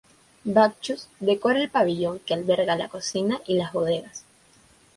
Bacchus decora el pabellón que alberga la cocina y las bodegas.